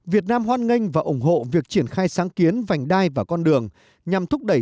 việt nam hoan nghênh và ủng hộ việc triển khai sáng kiến vành đai và con đường nhằm thúc đẩy